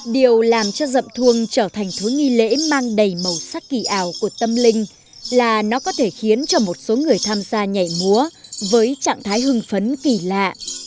điều làm cho dậm thuông trở thành thứ nghi lễ mang đầy màu sắc kỳ ảo của tâm linh là nó có thể khiến cho một số người tham gia nhảy múa với trạng thái hưng phấn kỳ lạ